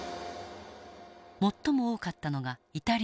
最も多かったのがイタリア移民。